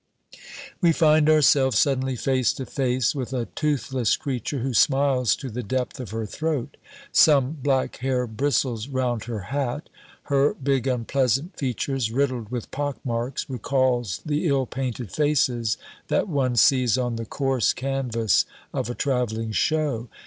We find ourselves suddenly face to face with a toothless creature who smiles to the depth of her throat. Some black hair bristles round her hat. Her big, unpleasant features, riddled with pock marks, recalls the ill painted faces that one sees on the coarse canvas of a traveling show.